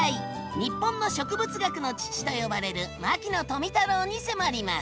「日本の植物学の父」と呼ばれる牧野富太郎に迫ります！